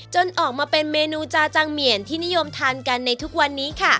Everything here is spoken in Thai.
ออกมาเป็นเมนูจาจังเหมียนที่นิยมทานกันในทุกวันนี้ค่ะ